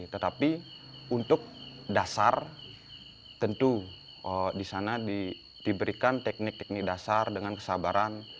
tetapi untuk dasar tentu di sana diberikan teknik teknik dasar dengan kesabaran